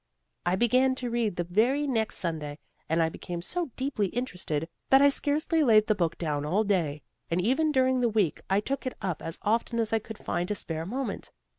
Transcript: I began to read the very next Sunday, and I became so deeply interested that I scarcely laid the book down all day, and even during the week I took it up as often as I could find a spare moment.